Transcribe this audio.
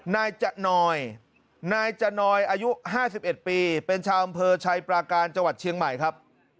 นายจะนอยนายจะนอยอายุ๕๑ปีเป็นชาวอำเภอชัยปราการจังหวัดเชียงใหม่ครับ